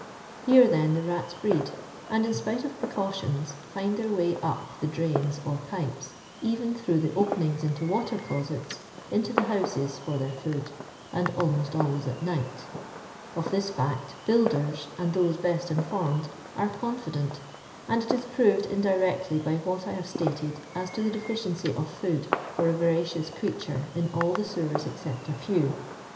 Here, then, the rats breed, and, in spite of precautions, find their war up the drains or pipes, cren through the open ings into water closets, into the houses for tlieir food, nnd almost always at night. Of this fiict, builders, and those best informed, are confident, and it is proved indirectly by what I have stated as to tbe deficiency of food fur a voracious cre.aturc in all the sewers except a few.